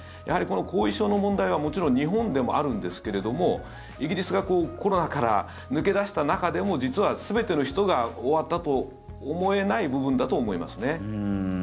この後遺症の問題はもちろん日本でもあるんですけどもイギリスがコロナから抜け出した中でも実は全ての人が終わったと思えない部分だと思いますね。